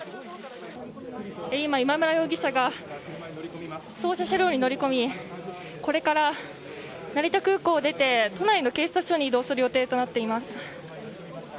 今、今村容疑者が捜査車両に乗り込みこれから成田空港を出て都内の警察署へ移動する予定となっています。